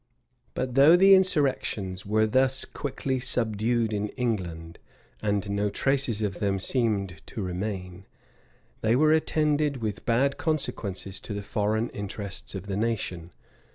But though the insurrections were thus quickly subdued in England, and no traces of them seemed to remain, they were attended with bad consequences to the foreign interests of the nation.